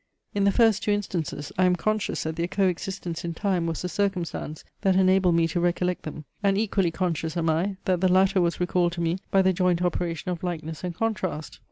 In the first two instances, I am conscious that their co existence in time was the circumstance, that enabled me to recollect them; and equally conscious am I that the latter was recalled to me by the joint operation of likeness and contrast.